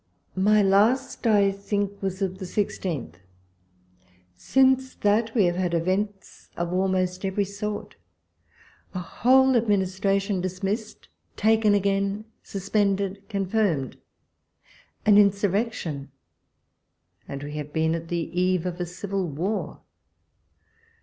My last I think was of the 16th. Since that we have had events of almost every sort. A whole administration dismissed, taken again, suspen 110 walpole's letters. ded, confirmed ; an insurrection ; and we have been at the eve of a civil war.